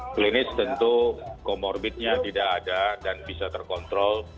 klinis tentu comorbidnya tidak ada dan bisa terkontrol